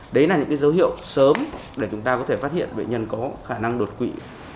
đấy là những dấu hiệu sớm để chúng ta có thể phát hiện bệnh nhân có khả năng đột quỵ